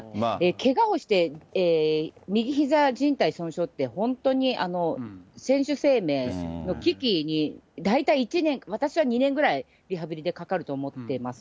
けがをして、右ひざじん帯損傷って、本当に選手生命の危機に、大体１年、私は２年ぐらいリハビリでかかると思ってます。